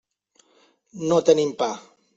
No tenim pa.